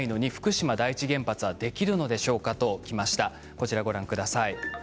こちらをご覧ください。